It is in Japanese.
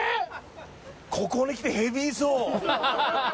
ここにきてヘビーそう。